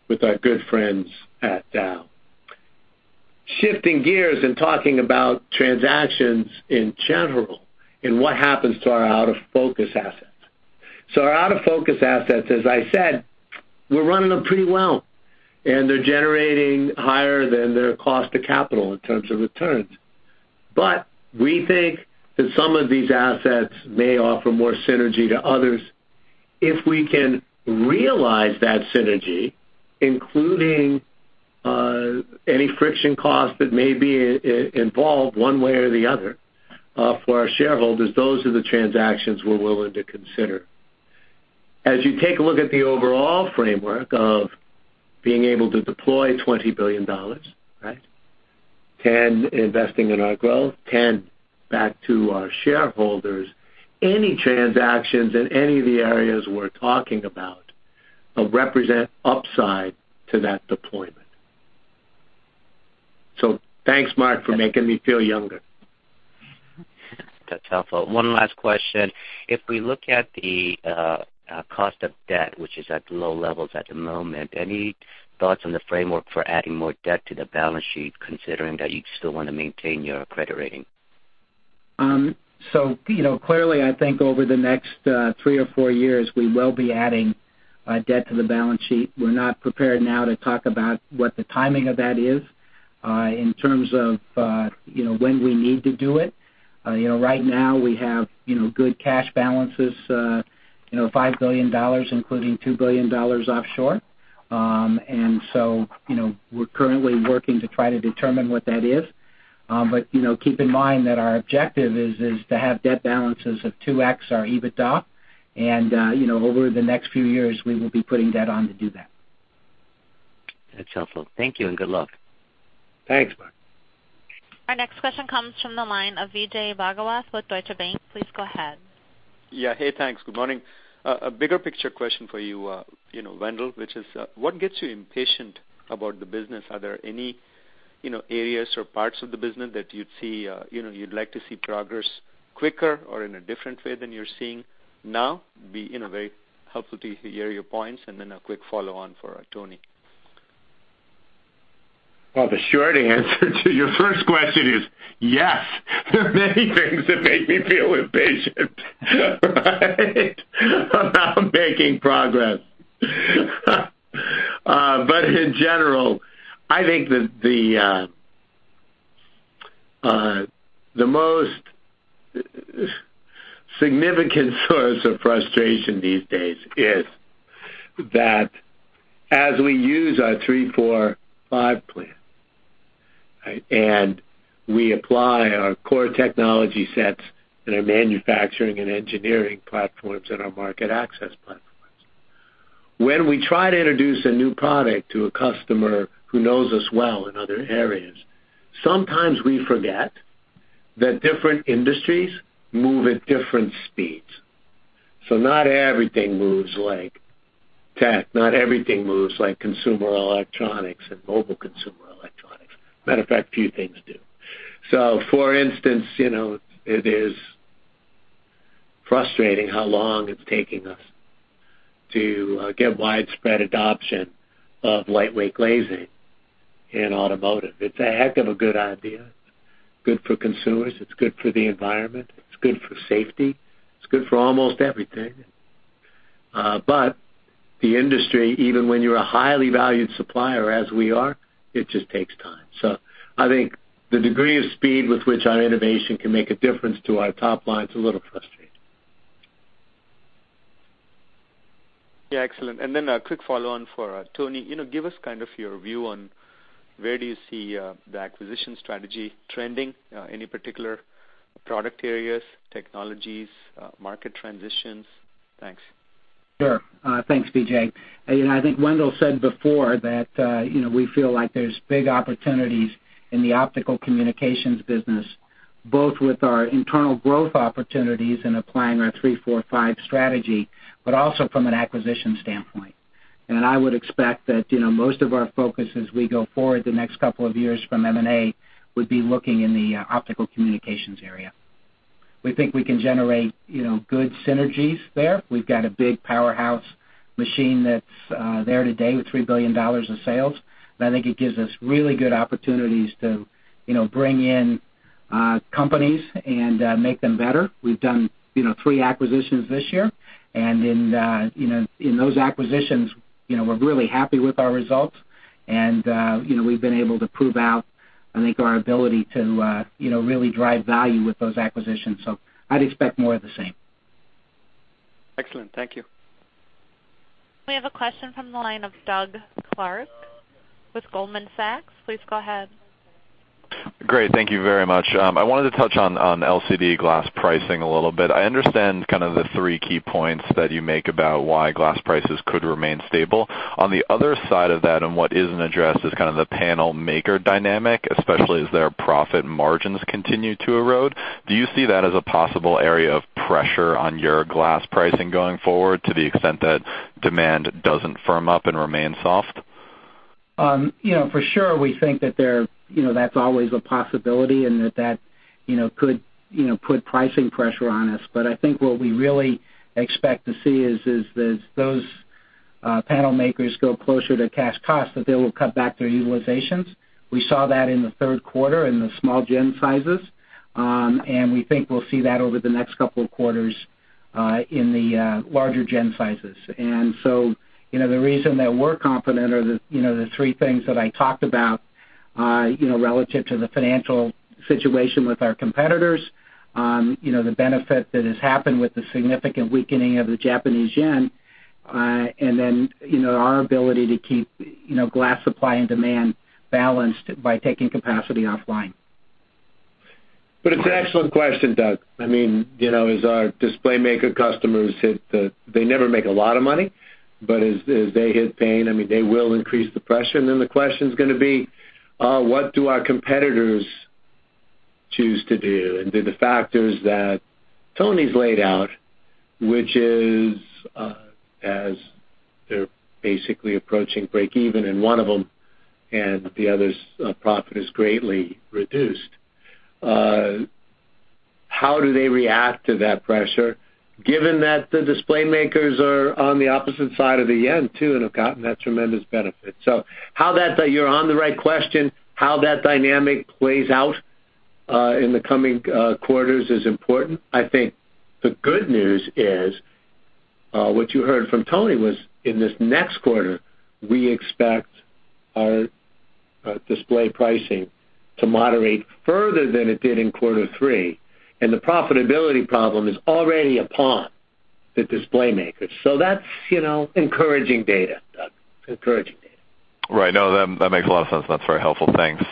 with our good friends at Dow. Shifting gears and talking about transactions in general and what happens to our out-of-focus assets. Our out-of-focus assets, as I said, we're running them pretty well, and they're generating higher than their cost to capital in terms of returns. We think that some of these assets may offer more synergy to others. If we can realize that synergy, including any friction cost that may be involved one way or the other, for our shareholders, those are the transactions we're willing to consider. As you take a look at the overall framework of being able to deploy $20 billion. $10 billion investing in our growth, $10 billion back to our shareholders. Any transactions in any of the areas we're talking about represent upside to that deployment. Thanks, Mark, for making me feel younger. That's helpful. One last question. If we look at the cost of debt, which is at low levels at the moment, any thoughts on the framework for adding more debt to the balance sheet, considering that you'd still want to maintain your credit rating? Clearly, I think over the next three or four years, we will be adding debt to the balance sheet. We're not prepared now to talk about what the timing of that is in terms of when we need to do it. Right now, we have good cash balances, $5 billion, including $2 billion offshore. We're currently working to try to determine what that is. Keep in mind that our objective is to have debt balances of 2X our EBITDA. Over the next few years, we will be putting debt on to do that. That's helpful. Thank you, and good luck. Thanks, Mark. Our next question comes from the line of Vijay Bhagwat with Deutsche Bank. Please go ahead. Yeah. Hey, thanks. Good morning. A bigger picture question for you Wendell, which is, what gets you impatient about the business? Are there any areas or parts of the business that you'd like to see progress quicker or in a different way than you're seeing now? Be very helpful to hear your points. Then a quick follow-on for Tony. Well, the short answer to your first question is yes. There are many things that make me feel impatient about making progress. In general, I think that the most significant source of frustration these days is that as we use our three-four-five plan, we apply our core technology sets and our manufacturing and engineering platforms and our market access platforms. When we try to introduce a new product to a customer who knows us well in other areas, sometimes we forget that different industries move at different speeds. Not everything moves like tech. Not everything moves like consumer electronics and Mobile Consumer Electronics. Matter of fact, few things do. For instance, it is frustrating how long it's taking us to get widespread adoption of lightweight glazing in automotive. It's a heck of a good idea. It's good for consumers, it's good for the environment, it's good for safety, it's good for almost everything. The industry, even when you're a highly valued supplier as we are, it just takes time. I think the degree of speed with which our innovation can make a difference to our top line is a little frustrating. Excellent. A quick follow-on for Tony. Give us kind of your view on where do you see the acquisition strategy trending? Any particular product areas, technologies, market transitions? Thanks. Sure. Thanks, Vijay. I think Wendell said before that we feel like there's big opportunities in the Optical Communications business, both with our internal growth opportunities in applying our three, four, five strategy, also from an acquisition standpoint. I would expect that most of our focus as we go forward the next couple of years from M&A would be looking in the Optical Communications area. We think we can generate good synergies there. We've got a big powerhouse machine that's there today with $3 billion in sales. I think it gives us really good opportunities to bring in companies and make them better. We've done three acquisitions this year, in those acquisitions, we're really happy with our results, and we've been able to prove out our ability to really drive value with those acquisitions. I'd expect more of the same. Excellent. Thank you. We have a question from the line of Simona Jankowski with Goldman Sachs. Please go ahead. Great. Thank you very much. I wanted to touch on LCD glass pricing a little bit. I understand kind of the three key points that you make about why glass prices could remain stable. On the other side of that, and what isn't addressed, is kind of the panel maker dynamic, especially as their profit margins continue to erode. Do you see that as a possible area of pressure on your glass pricing going forward to the extent that demand doesn't firm up and remains soft? For sure we think that's always a possibility and that that could put pricing pressure on us. I think what we really expect to see is that as those panel makers go closer to cash cost, that they will cut back their utilizations. We saw that in the third quarter in the small gen sizes. We think we'll see that over the next couple of quarters in the larger gen sizes. The reason that we're confident are the three things that I talked about, relative to the financial situation with our competitors, the benefit that has happened with the significant weakening of the Japanese yen, and then our ability to keep glass supply and demand balanced by taking capacity offline. It's an excellent question, Doug. As our display maker customers hit the-- they never make a lot of money, but as they hit pain, they will increase the pressure, then the question's going to be, what do our competitors choose to do? Do the factors that Tony's laid out, which is, as they're basically approaching breakeven in one of them and the other's profit is greatly reduced, how do they react to that pressure given that the display makers are on the opposite side of the yen, too, and have gotten that tremendous benefit? You're on the right question. How that dynamic plays out in the coming quarters is important. I think the good news is what you heard from Tony was in this next quarter, we expect our display pricing to moderate further than it did in quarter three, and the profitability problem is already upon the display makers. That's encouraging data, Doug. Encouraging data. Right. No, that makes a lot of sense. That's very helpful. Thanks.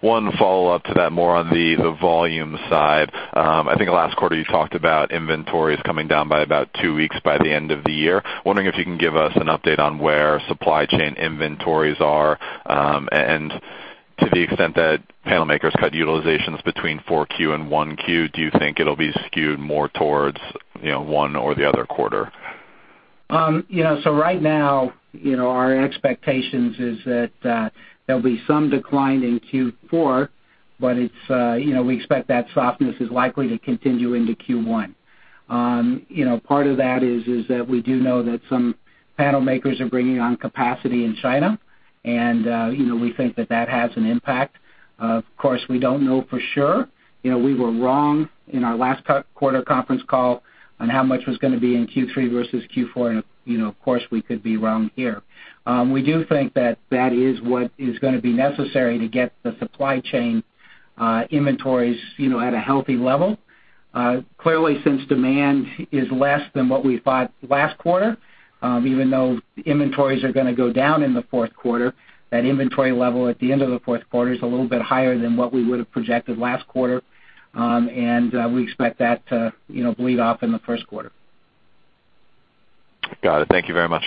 One follow-up to that, more on the volume side. I think last quarter you talked about inventories coming down by about two weeks by the end of the year. Wondering if you can give us an update on where supply chain inventories are, and to the extent that panel makers cut utilizations between four Q and one Q, do you think it'll be skewed more towards one or the other quarter? Right now our expectations is that there'll be some decline in Q4, but we expect that softness is likely to continue into Q1. Part of that is that we do know that some panel makers are bringing on capacity in China, and we think that that has an impact. Of course, we don't know for sure. We were wrong in our last quarter conference call on how much was going to be in Q3 versus Q4, and of course, we could be wrong here. We do think that that is what is going to be necessary to get the supply chain inventories at a healthy level. Clearly, since demand is less than what we thought last quarter, even though inventories are going to go down in the fourth quarter, that inventory level at the end of the fourth quarter is a little bit higher than what we would have projected last quarter, and we expect that to bleed off in the first quarter. Got it. Thank you very much.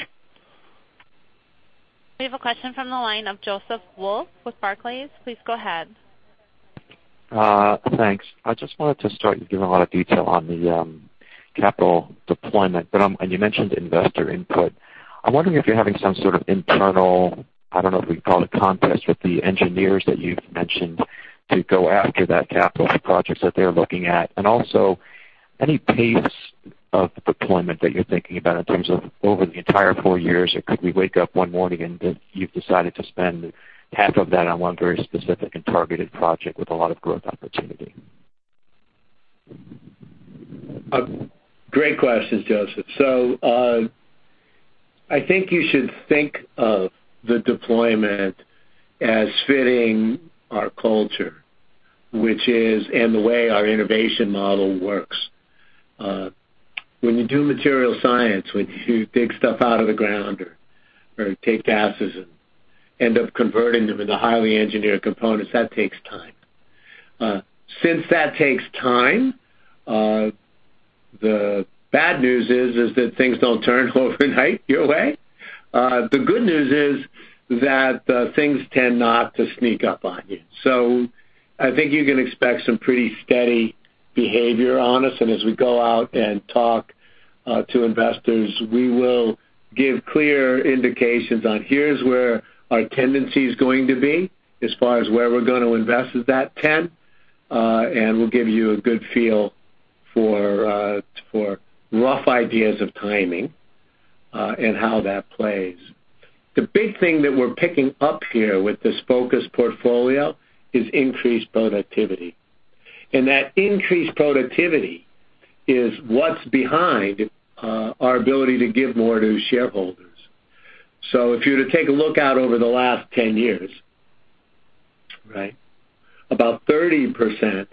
We have a question from the line of Joseph Wolf with Barclays. Please go ahead. Thanks. I just wanted to start, you've given a lot of detail on the capital deployment, and you mentioned investor input. I'm wondering if you're having some sort of internal, I don't know if we can call it contest, with the engineers that you've mentioned to go after that capital for projects that they're looking at. Also any pace of deployment that you're thinking about in terms of over the entire four years, or could we wake up one morning and you've decided to spend half of that on one very specific and targeted project with a lot of growth opportunity? Great questions, Joseph. I think you should think of the deployment as fitting our culture, and the way our innovation model works. When you do material science, when you dig stuff out of the ground or take gases and end up converting them into highly engineered components, that takes time. Since that takes time, the bad news is that things don't turn overnight your way. The good news is that things tend not to sneak up on you. I think you can expect some pretty steady behavior on us. As we go out and talk to investors, we will give clear indications on here's where our tendency's going to be as far as where we're going to invest is that extent, and we'll give you a good feel for rough ideas of timing, and how that plays. The big thing that we're picking up here with this focused portfolio is increased productivity. That increased productivity is what's behind our ability to give more to shareholders. If you were to take a look out over the last 10 years, about 30%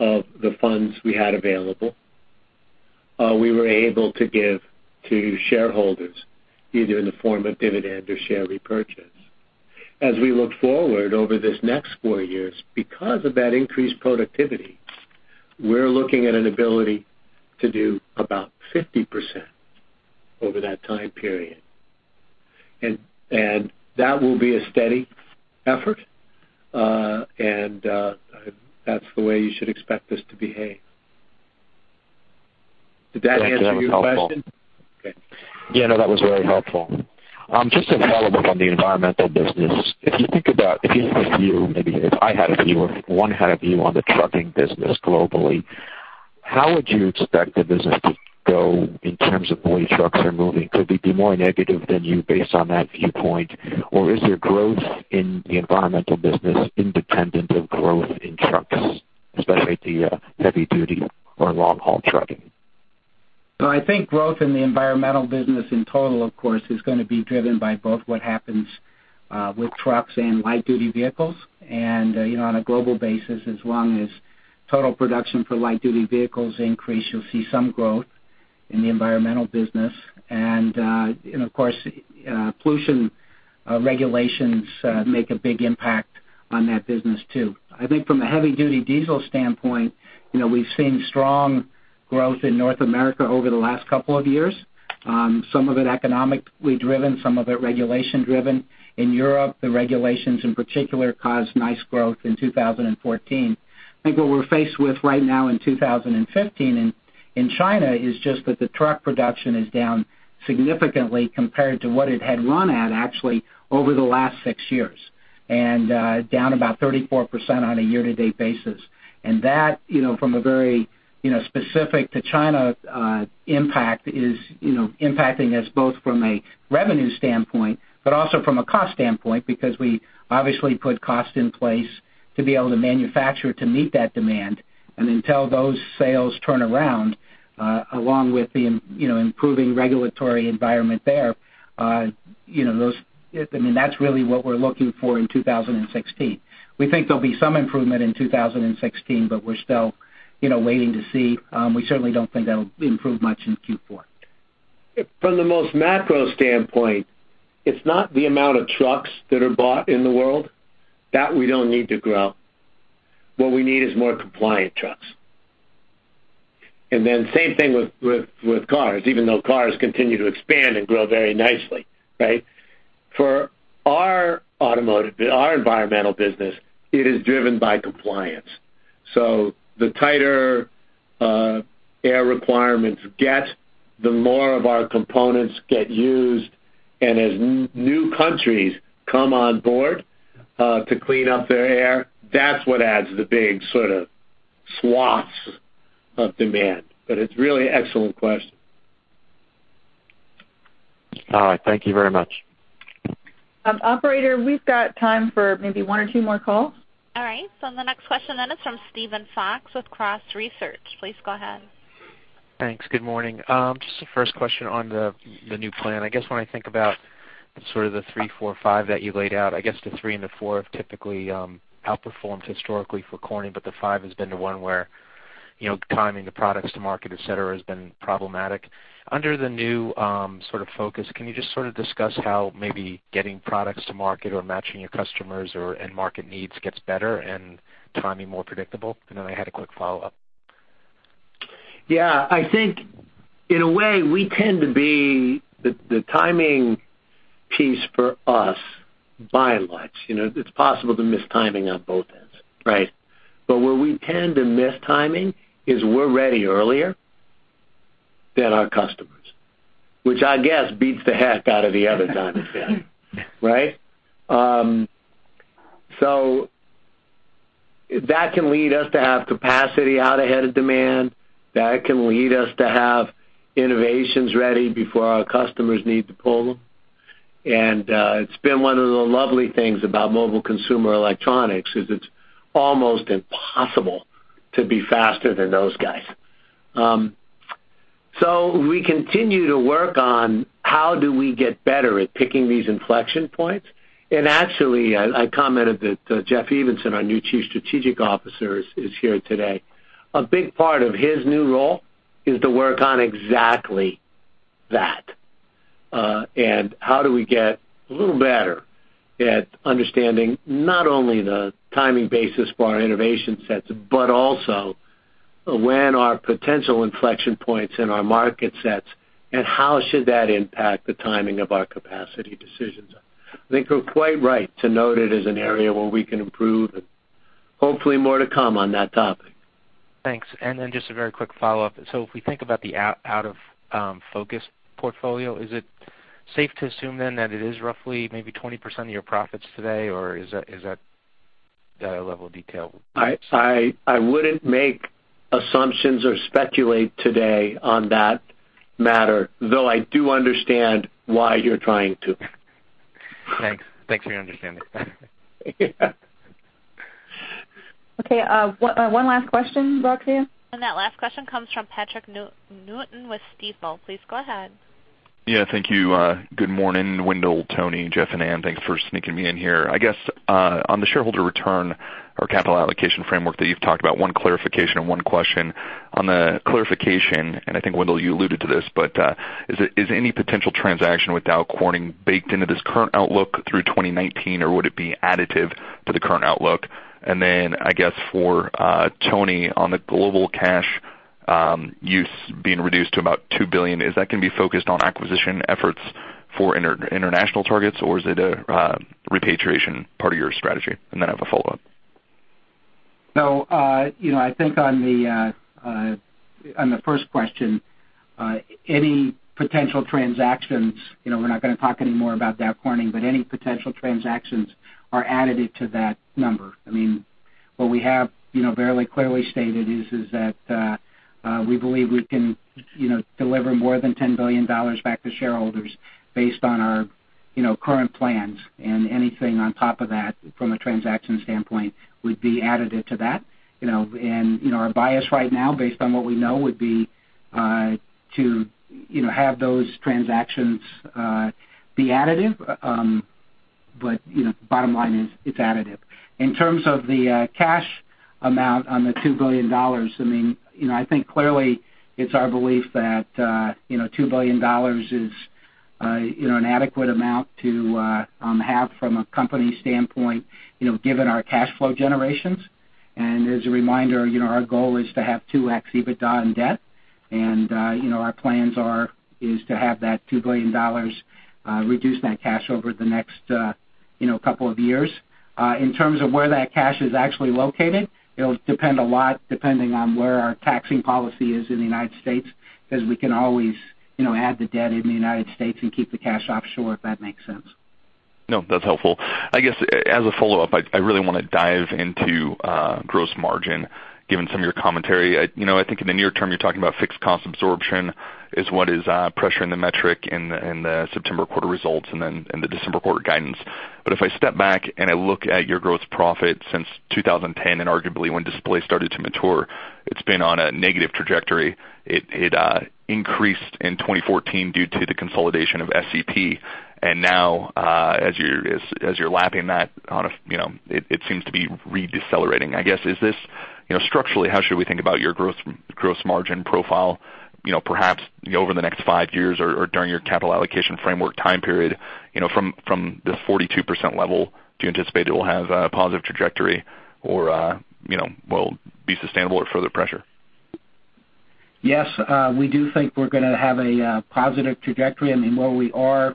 of the funds we had available, we were able to give to shareholders, either in the form of dividend or share repurchase. As we look forward over this next four years, because of that increased productivity, we're looking at an ability to do about 50% over that time period. That will be a steady effort, and that's the way you should expect us to behave. Did that answer your question? Yeah, no, that was very helpful. Just a follow-up on the Environmental Technologies business. If you have a view, maybe if I had a view, or if one had a view on the trucking business globally, how would you expect the business to go in terms of the way trucks are moving? Could we be more negative than you based on that viewpoint? Is there growth in the Environmental Technologies business independent of growth in trucks, especially the heavy duty or long-haul trucking? I think growth in the Environmental Technologies business in total, of course, is going to be driven by both what happens with trucks and light-duty vehicles. On a global basis, as long as total production for light-duty vehicles increase, you'll see some growth in the Environmental Technologies business. Of course, pollution regulations make a big impact on that business, too. I think from a heavy duty diesel standpoint, we've seen strong growth in North America over the last couple of years, some of it economically driven, some of it regulation driven. In Europe, the regulations in particular caused nice growth in 2014. I think what we're faced with right now in 2015 in China is just that the truck production is down significantly compared to what it had run at actually over the last six years, and down about 34% on a year-to-date basis. That, from a very specific to China impact is impacting us both from a revenue standpoint, but also from a cost standpoint, because we obviously put cost in place to be able to manufacture to meet that demand. Until those sales turn around, along with the improving regulatory environment there, that's really what we're looking for in 2016. We think there'll be some improvement in 2016, but we're still waiting to see. We certainly don't think that'll improve much in Q4. From the most macro standpoint, it's not the amount of trucks that are bought in the world. That we don't need to grow. What we need is more compliant trucks. Same thing with cars, even though cars continue to expand and grow very nicely. For our Environmental Technologies business, it is driven by compliance. The tighter air requirements get, the more of our components get used. As new countries come on board to clean up their air, that's what adds the big sort of swaths of demand. It's a really excellent question. All right. Thank you very much. Operator, we've got time for maybe one or two more calls. All right. The next question is from Steven Fox with Cross Research. Please go ahead. Thanks. Good morning. Just the first question on the new plan. I guess when I think about sort of the three, four, five that you laid out, I guess the three and the four have typically outperformed historically for Corning, but the five has been the one where timing the products to market, et cetera, has been problematic. Under the new sort of focus, can you just sort of discuss how maybe getting products to market or matching your customers and market needs gets better and timing more predictable? I had a quick follow-up. Yeah, I think in a way, we tend to be the timing piece for us by and large. It's possible to miss timing on both ends, right? Where we tend to miss timing is we're ready earlier than our customers, which I guess beats the heck out of the other timing thing, right? That can lead us to have capacity out ahead of demand. That can lead us to have innovations ready before our customers need to pull them. It's been one of the lovely things about Mobile Consumer Electronics, is it's almost impossible to be faster than those guys. We continue to work on how do we get better at picking these inflection points. Actually, I commented that Jeff Evenson, our new Chief Strategy Officer, is here today. A big part of his new role is to work on exactly that. How do we get a little better at understanding not only the timing basis for our innovation sets, but also when are potential inflection points in our market sets, and how should that impact the timing of our capacity decisions? I think you're quite right to note it as an area where we can improve and hopefully more to come on that topic. Thanks. Just a very quick follow-up. If we think about the out-of-focus portfolio, is it safe to assume then that it is roughly maybe 20% of your profits today, or is that a level of detail- I wouldn't make assumptions or speculate today on that matter, though I do understand why you're trying to. Thanks for your understanding. Okay, one last question, Roxanne. That last question comes from Patrick Newton with Stifel. Please go ahead. Thank you. Good morning, Wendell, Tony, Jeff, and Ann. Thanks for sneaking me in here. I guess, on the shareholder return or capital allocation framework that you've talked about, one clarification and one question. On the clarification, I think, Wendell, you alluded to this, but is any potential transaction with Dow Corning baked into this current outlook through 2019, or would it be additive to the current outlook? I guess for Tony, on the global cash use being reduced to about $2 billion, is that going to be focused on acquisition efforts for international targets, or is it a repatriation part of your strategy? I have a follow-up. I think on the first question, any potential transactions, we're not going to talk anymore about Dow Corning, but any potential transactions are additive to that number. What we have fairly clearly stated is that we believe we can deliver more than $10 billion back to shareholders based on our current plans, anything on top of that from a transaction standpoint would be additive to that. Our bias right now, based on what we know, would be to have those transactions be additive. Bottom line is, it's additive. In terms of the cash amount on the $2 billion, I think clearly it's our belief that $2 billion is an adequate amount to have from a company standpoint, given our cash flow generations. As a reminder, our goal is to have 2x EBITDA in debt. Our plan is to have that $2 billion reduce that cash over the next couple of years. In terms of where that cash is actually located, it'll depend a lot depending on where our taxing policy is in the U.S., because we can always add the debt in the U.S. and keep the cash offshore if that makes sense. No, that's helpful. I guess, as a follow-up, I really want to dive into gross margin, given some of your commentary. I think in the near term, you're talking about fixed cost absorption is what is pressuring the metric in the September quarter results and the December quarter guidance. If I step back and I look at your gross profit since 2010 and arguably when display started to mature, it's been on a negative trajectory. It increased in 2014 due to the consolidation of SCP, and now as you're lapping that, it seems to be re-decelerating. I guess, structurally, how should we think about your gross margin profile perhaps over the next five years or during your capital allocation framework time period from the 42% level? Do you anticipate it will have a positive trajectory or will it be sustainable or further pressure? Yes, we do think we're going to have a positive trajectory. Where we are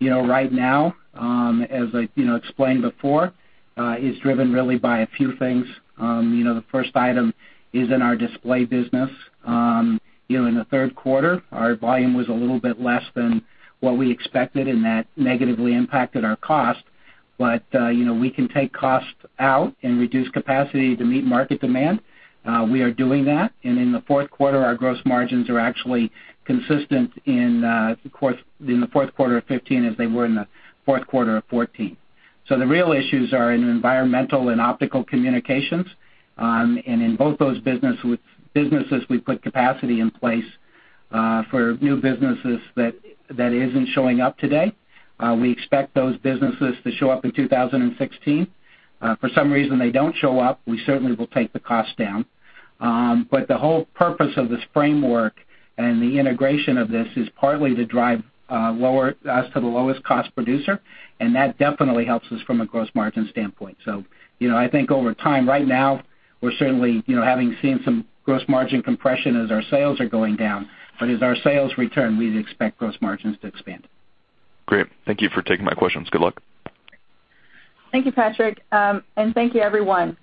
right now, as I explained before, is driven really by a few things. The first item is in our display business. In the third quarter, our volume was a little bit less than what we expected, and that negatively impacted our cost. We can take costs out and reduce capacity to meet market demand. We are doing that, in the fourth quarter, our gross margins are actually consistent in the fourth quarter of 2015 as they were in the fourth quarter of 2014. The real issues are in Environmental Technologies and Optical Communications. In both those businesses, we put capacity in place for new businesses that isn't showing up today. We expect those businesses to show up in 2016. For some reason they don't show up, we certainly will take the cost down. The whole purpose of this framework and the integration of this is partly to drive us to the lowest cost producer, and that definitely helps us from a gross margin standpoint. I think over time, right now, we're certainly having seen some gross margin compression as our sales are going down. As our sales return, we'd expect gross margins to expand. Great. Thank you for taking my questions. Good luck. Thank you, Patrick, and thank you, everyone.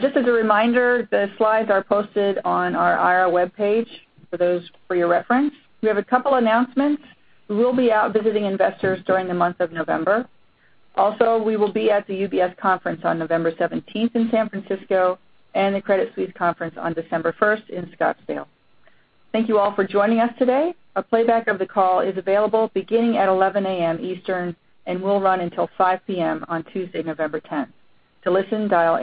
Just as a reminder, the slides are posted on our IR webpage for your reference. We have a couple announcements. We will be out visiting investors during the month of November. We will be at the UBS conference on November 17th in San Francisco and the Credit Suisse conference on December 1st in Scottsdale. Thank you all for joining us today. A playback of the call is available beginning at 11:00 A.M. Eastern and will run until 5:00 P.M. on Tuesday, November 10th. To listen, dial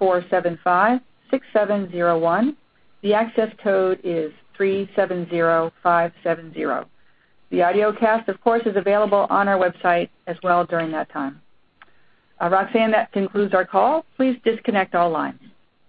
800-475-6701. The access code is 370570. The audiocast, of course, is available on our website as well during that time. Roxanne, that concludes our call. Please disconnect all lines.